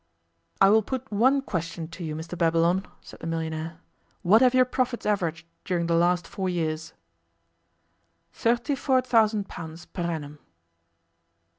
'I will put one question to you, Mr Babylon,' said the millionaire. 'What have your profits averaged during the last four years?' 'Thirty four thousand pounds per annum.